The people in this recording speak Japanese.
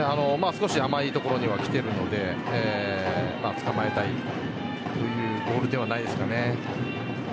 少し甘い所にはきているのでつかまえたい。というボールではないですかね。